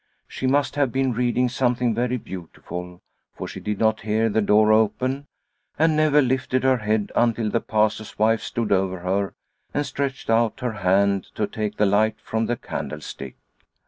She must have been reading something very beautiful for she did not hear the door open, and never lifted her head until the Pastor's wife stood over her and stretched out her hand to take the light from the candlestick.